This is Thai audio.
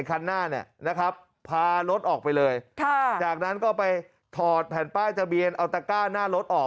คันหน้าเนี่ยนะครับพารถออกไปเลยจากนั้นก็ไปถอดแผ่นป้ายทะเบียนเอาตะก้าหน้ารถออก